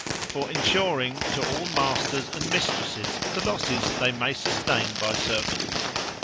For insuring to all masters and mistresses the losses they may sustain by servants.